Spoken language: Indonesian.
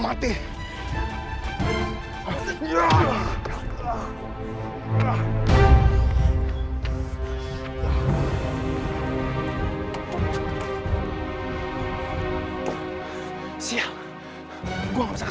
suhaib khi assessormu cuma counselor nih bahwa perlu ribuan